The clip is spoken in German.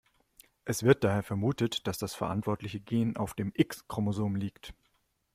Es wird daher vermutet, dass das verantwortliche Gen auf dem X-Chromosom liegt.